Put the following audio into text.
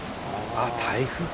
あっ台風か。